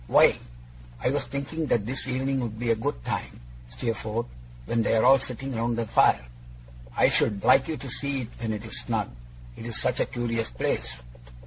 'Why, I was thinking that this evening would be a good time, Steerforth, when they are all sitting round the fire. I should like you to see it when it's snug, it's such a curious place.